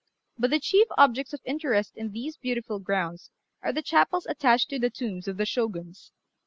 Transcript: But the chief objects of interest in these beautiful grounds are the chapels attached to the tombs of the Shoguns.